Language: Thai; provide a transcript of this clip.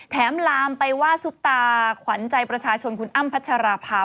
ลามไปว่าซุปตาขวัญใจประชาชนคุณอ้ำพัชราภา